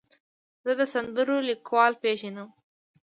زه د سندرو لیکوال پیژنم.